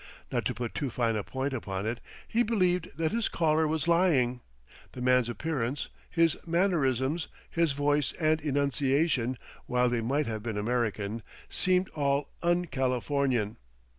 Not to put too fine a point upon it, he believed that his caller was lying; the man's appearance, his mannerisms, his voice and enunciation, while they might have been American, seemed all un Californian.